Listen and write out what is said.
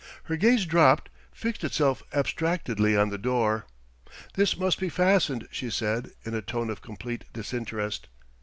Her gaze dropped, fixed itself abstractedly on the door.... "This must be fastened," she said, in a tone of complete disinterest.